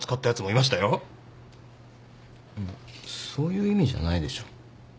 うんそういう意味じゃないでしょ。